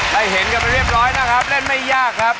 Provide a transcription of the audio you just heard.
เคยเห็นกันเรียบร้อยนะครับเล่นไม่ยาก